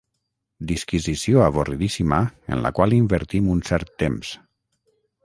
Disquisició avorridíssima en la qual invertim un cert temps.